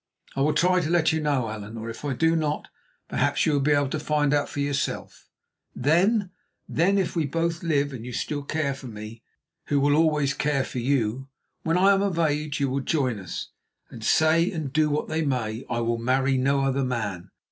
I will try to let you know, Allan, or if I do not, perhaps you will be able to find out for yourself. Then, then, if we both live and you still care for me, who will always care for you, when I am of age, you will join us and, say and do what they may, I will marry no other man.